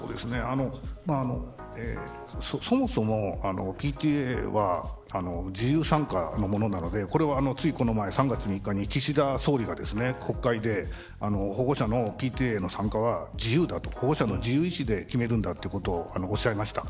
そもそもＰＴＡは自由参加のものなのでついこの前、岸田総理が国会で保護者のＰＴＡの参加は保護者の自由意思で決めるとおっしゃいました。